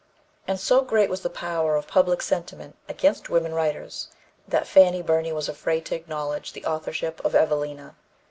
And so great was the power of public sentiment against women writers that Fanny Burney was afraid to acknowledge the authorship of Evelina.